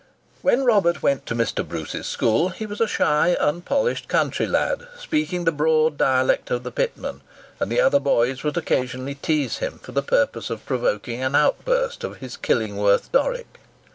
When Robert went to Mr. Bruce's school, he was a shy, unpolished country lad, speaking the broad dialect of the pitmen; and the other boys would occasionally tease him, for the purpose of provoking an outburst of his Killingworth Doric.